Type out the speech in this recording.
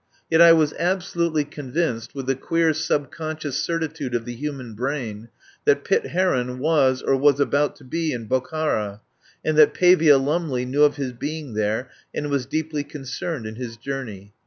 Yet I was absolutely convinced, with the queer sub conscious cer titude of the human brain, that Pitt Heron was or was about to be in Bokhara, and that Pavia Lumley knew of his being there and was deeply concerned in his journey.